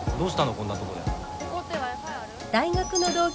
こんなとこで。